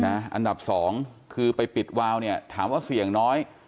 อันดับ๒คือไปปิดวาวเนี่ยถามว่าเสี่ยงน้อย